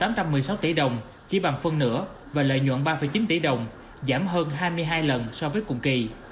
giảm một mươi sáu tỷ đồng chỉ bằng phân nửa và lợi nhuận ba chín tỷ đồng giảm hơn hai mươi hai lần so với cùng kỳ